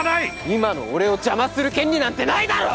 今の俺を邪魔する権利なんてないだろ！！